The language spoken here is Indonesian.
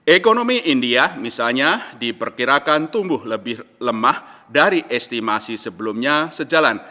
ekonomi india misalnya diperkirakan tumbuh lebih lemah dari estimasi sebelumnya sejalan